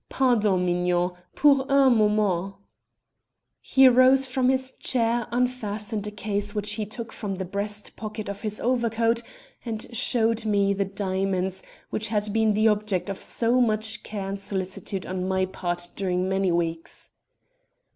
Pardon, Mignon, pour un moment.' "He rose from his chair, unfastened a case which he took from the breast pocket of his overcoat, and showed me the diamonds which had been the object of so much care and solicitude on my part during many weeks.